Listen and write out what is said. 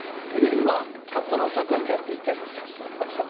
今、カッパのたたりだって言ってると。